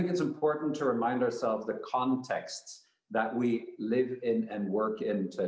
kami memiliki geografi yang berlangsung